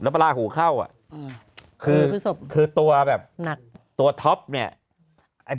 แล้วประราหูเข้าอ่ะคือตัวแบบตัวท็อปเนี่ย